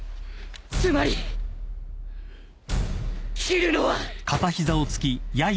つまり斬るのは